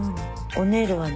おねるは。